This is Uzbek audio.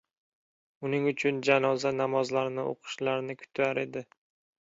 uning uchun janoza namozlarini o‘qishlarini kutar edi.